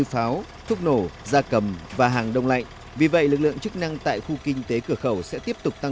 phòng chống buôn lậu cũng như là